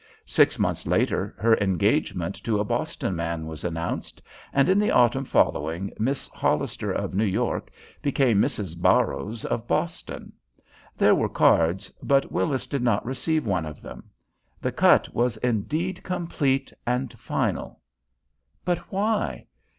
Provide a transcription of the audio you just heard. Six months later her engagement to a Boston man was announced, and in the autumn following Miss Hollister of New York became Mrs. Barrows of Boston. There were cards, but Willis did not receive one of them. The cut was indeed complete and final. But why?